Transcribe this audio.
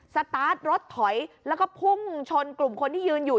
สตาร์ทรถถอยแล้วก็พุ่งชนกลุ่มคนที่ยืนอยู่